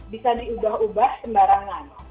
bisa diubah ubah sembarangan